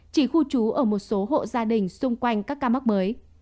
chỉ khu trú ở một số hộ gia đình xung quanh các ca mắc mới